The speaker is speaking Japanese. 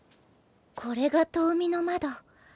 これが遠見の窓。